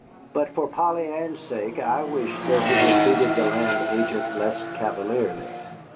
But for Polly Ann's sake I wished that we had treated the land agent less cavalierly.